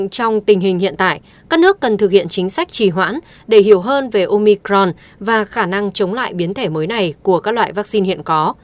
trong tình hình hiện tại các nước cần thực hiện chính sách trì hoãn để hiểu hơn về omicron và khả năng chống lại biến thể mới này của các loại vaccine hiện có